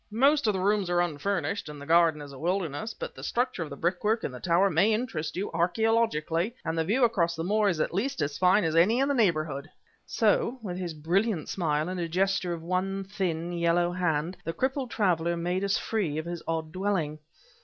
"Most of the rooms are unfurnished, and the garden is a wilderness, but the structure of the brickwork in the tower may interest you archaeologically, and the view across the moor is at least as fine as any in the neighborhood." So, with his brilliant smile and a gesture of one thin yellow hand, the crippled traveler made us free of his odd dwelling.